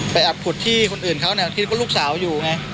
ไปอับขุดที่คนอื่นเขาที่ลูกสาวอยู่